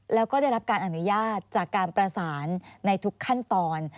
แล้วก็ได้รับการอนุญาตจากการประสานในทุกขั้นตอน